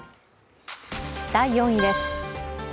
第４位です。